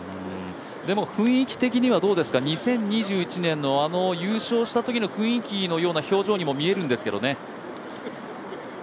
でも雰囲気的にはどうですか２０２１年のあの優勝したときの雰囲気のような表情にも見えるんですけどね。